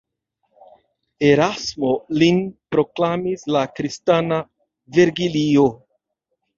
Erasmo lin proklamis la kristana Vergilio.